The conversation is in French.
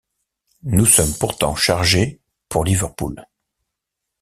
Nous sommes pourtant chargés pour Liverpool!